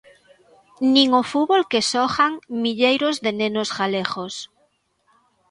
Nin o fútbol que xogan milleiros de nenos galegos.